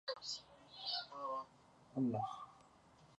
Se clasifica como severo cuando es imposible andar sin usar un bastón o andador.